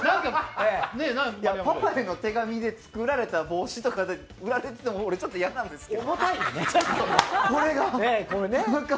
パパの手紙でつくられた帽子売られてても俺、ちょっと嫌なんですけど。